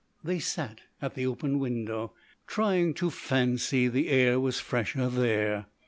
They sat at the open window, trying to fancy the air was fresher there.